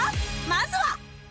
まずは！